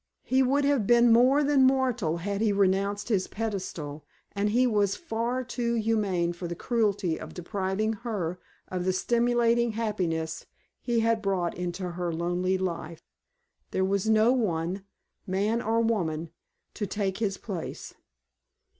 He would have been more than mortal had he renounced his pedestal and he was far too humane for the cruelty of depriving her of the stimulating happiness he had brought into her lonely life. There was no one, man or woman, to take his place.